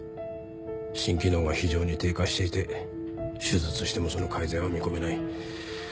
心機能が非常に低下していて手術してもその改善は見込めない。